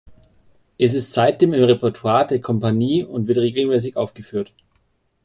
Es ist seitdem im Repertoire der Kompanie und wird regelmäßig aufgeführt.